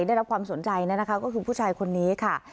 ได้รับความสนใจนะคะก็คือผู้ชายคนนี้ค่ะ